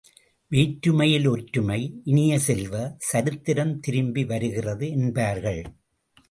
வேற்றுமையில் ஒற்றுமை இனிய செல்வ, சரித்திரம் திரும்பி வருகிறது என்பார்கள்!